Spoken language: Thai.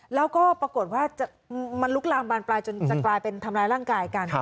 แล้วก็ปรากฏว่ามันลุกลามบานปลายจนจะกลายเป็นทำร้ายร่างกายกัน